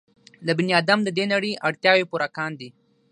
د بني ادم د دې نړۍ اړتیاوې پوره کاندي.